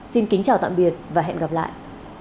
xin kính chào tạm biệt và hẹn gặp lại